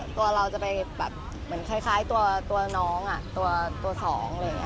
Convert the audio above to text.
ตัวเราจะไปแบบเหมือนคล้ายตัวน้องตัวสองเลย